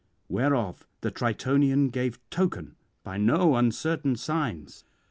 Whereof the Tritonian gave token by no uncertain signs.